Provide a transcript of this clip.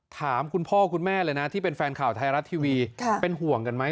ถามคุณพ่อคุณแม่เลยนะที่เป็นแฟนข่าวไทยรัฐทีวีเป็นห่วงกันไหม